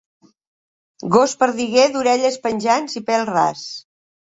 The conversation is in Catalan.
Gos perdiguer d'orelles penjants i pèl ras.